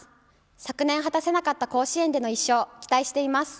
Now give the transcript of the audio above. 昨年果たせなかった甲子園での１勝期待しています。